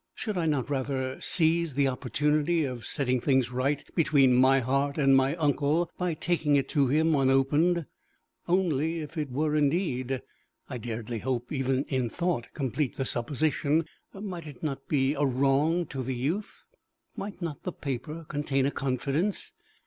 Should I not rather seize the opportunity of setting things right between my heart and my uncle by taking it to him unopened? Only, if it were indeed I dared hardly even in thought complete the supposition might it not be a wrong to the youth? Might not the paper contain a confidence?